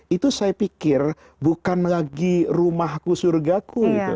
itu saya pikir bukan lagi rumahku surgaku